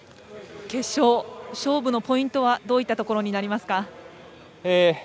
決勝、勝負のポイントはどういったところになりますか？